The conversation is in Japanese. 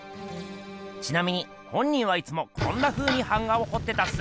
ちなみに本人はいつもこんなふうに版画をほってたっす。